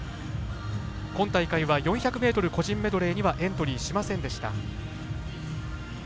今大会は４００ｍ個人メドレーにはエントリーしませんでした。